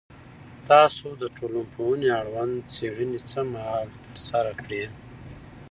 تاسو د ټولنپوهنې اړوند څېړنې څه مهال ترسره کړي؟